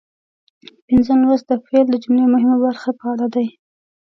پنځم لوست د فعل د جملې مهمه برخه په اړه دی.